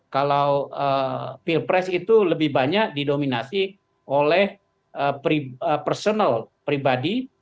kalau pilpres itu lebih banyak didominasi oleh personal pribadi